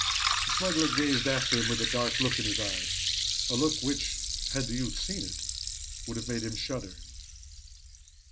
The smuggler gazed after him with a dark look in his eyes a look which, had the youth seen it, would have made him shudder.